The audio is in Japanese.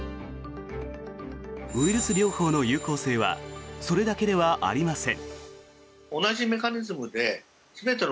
ウイルス療法の有効性はそれだけではありません。